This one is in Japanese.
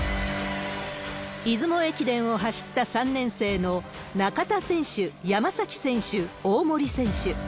出雲駅伝を走った３年生の中田選手、山崎選手、大森選手。